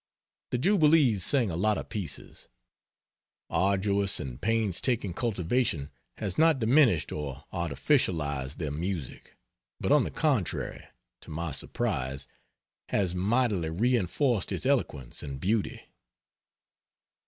The Jubilees sang a lot of pieces. Arduous and painstaking cultivation has not diminished or artificialized their music, but on the contrary to my surprise has mightily reinforced its eloquence and beauty.